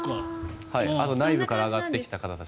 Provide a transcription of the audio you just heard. あと内部から上がってきた方たち。